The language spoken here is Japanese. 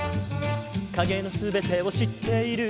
「影の全てを知っている」